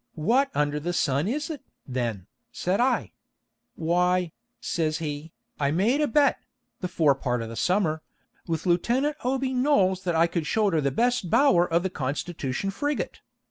'What under the sun is it, then?' said I. 'Why,' says he, 'I made a bet the fore part of the summer with Leftenant Oby Knowles that I could shoulder the best bower of the Constitution frigate.